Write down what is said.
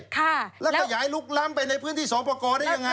ค่ะแล้วแล้วแล้วขยายลุกล้ำไปในพื้นที่สองประกอดได้อย่างไร